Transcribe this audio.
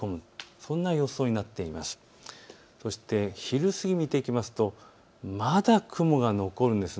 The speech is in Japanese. そして昼過ぎ見ていきますとまだ雲が残るんです。